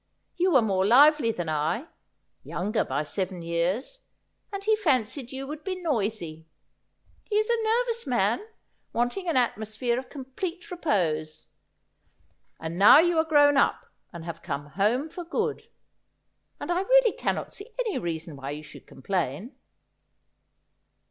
You were more lively than I — younger by seven years — and he fancied you would be noisy. He is a nervous man, wanting an atmosphere of complete repose. And now you are grown up, and have come home for good ; and I really cannot see any reason why you should complain.'